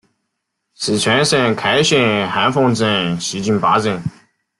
四川省开县汉丰镇西津坝人。